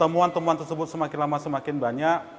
temuan temuan tersebut semakin lama semakin banyak